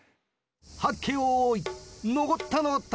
はっけよいのこったのこった！